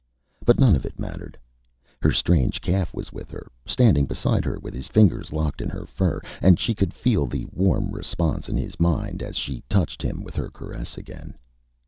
But none of it mattered. Her strange calf was with her, standing beside her with his fingers locked in her fur, and she could feel the warm response in his mind as she touched him with her caress again.